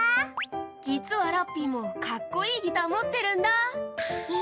実はラッピーもかっこいいギター持ってるんだ。え！